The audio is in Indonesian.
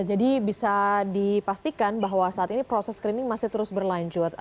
jadi bisa dipastikan bahwa saat ini proses cleaning masih terus berlanjut